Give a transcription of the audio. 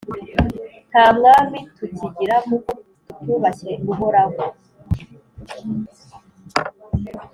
Nta mwami tukigira kuko tutubashye Uhoraho.